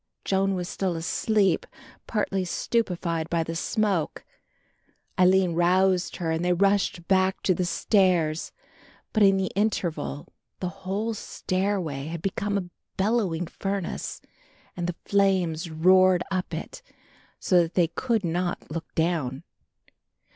Joan was still asleep, partly stupified by the smoke. Aline roused her and they rushed back to the stairs, but in the interval the whole stairway had become a bellowing furnace and the flames roared up it, so that they could not look down.